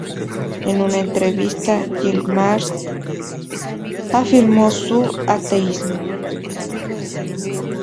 En una entrevista, Yılmaz afirmó su ateísmo.